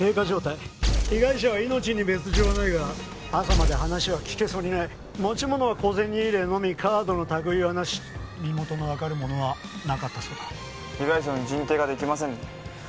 状態被害者は命に別状はないが朝まで話は聞けそうにない持ち物は小銭入れのみカードのたぐいはなし身元の分かるものはなかったそうだ被害者の人定ができませんね